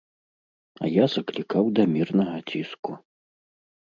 А я заклікаў да мірнага ціску.